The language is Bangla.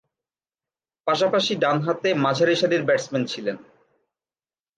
পাশাপাশি ডানহাতে মাঝারিসারির ব্যাটসম্যান ছিলেন।